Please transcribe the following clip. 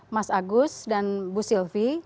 mas agus dan bu sylvi